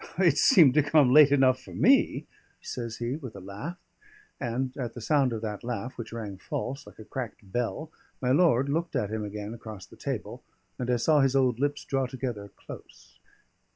"It seemed to come late enough for me," says he, with a laugh. And at the sound of that laugh, which rang false, like a cracked bell, my lord looked at him again across the table, and I saw his old lips draw together close.